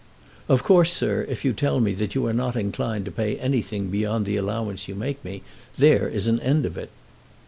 "Of course, sir, if you tell me that you are not inclined to pay anything beyond the allowance you make me, there is an end of it."